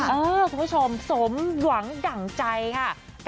คุณผู้ชมสมหวังดั่งใจค่ะ